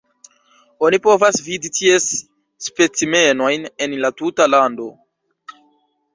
Oni povas vidi ties specimenojn en la tuta lando.